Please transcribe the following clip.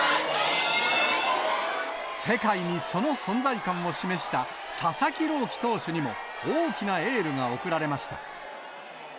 世界にその存在感を示した佐々木朗希投手にも、大きなエールが送られました。